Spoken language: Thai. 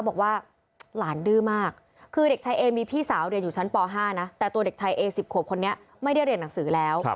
บอกว่าหลานดื้อมากคือเด็กชายเอมีพี่สาวเรียนอยู่ชั้นป๕นะแต่ตัวเด็กชายเอ๑๐ขวบคนนี้ไม่ได้เรียนหนังสือแล้ว